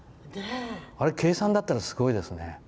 あれ、計算だったらすごいですね。